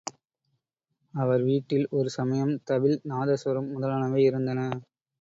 அவர் வீட்டில் ஒரு சமயம் தவில் நாதஸ்வரம் முதலானவை இருந்தன.